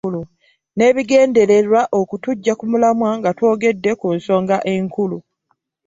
N'ebigendererwa okutuggya ku mulamwa nga twogedde ku nsonga enkulu